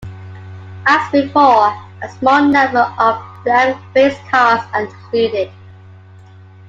As before, a small number of blank-faced cards are included.